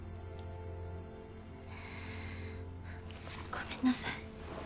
ごめんなさい。